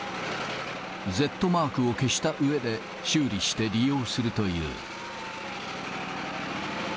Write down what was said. Ｚマークを消したうえで、修理して利用するという。